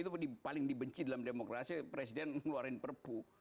itu paling dibenci dalam demokrasi presiden ngeluarin perpu